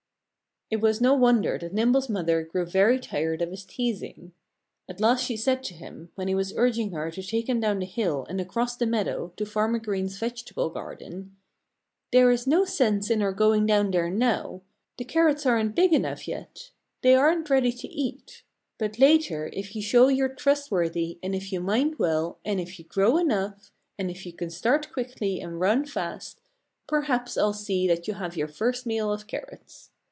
It was no wonder that Nimble's mother grew very tired of his teasing. At last she said to him, when he was urging her to take him down the hill and across the meadow to Farmer Green's vegetable garden, "There's no sense in our going down there now. The carrots aren't big enough yet. They aren't ready to eat. But later, if you show you're trustworthy, and if you mind well, and if you grow enough, and if you can start quickly and run fast, perhaps I'll see that you have your first meal of carrots.